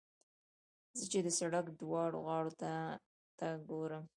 زه چې د سړک دواړو غاړو ته ګورم.